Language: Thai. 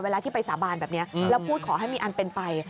ที่ไปสาบานแบบนี้แล้วพูดขอให้มีอันเป็นไป